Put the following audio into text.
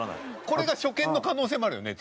これが初見の可能性もあるよね？